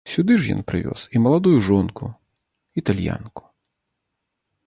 Сюды ж ён прывёз і маладую жонку-італьянку.